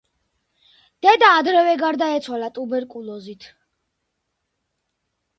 დედა ადრევე გარდაეცვალა ტუბერკულოზით.